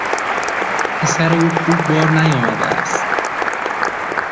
پسر او خوب بار نیامده است.